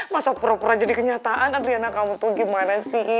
masa pura pura jadi kenyataan andriana kamu tuh gimana sih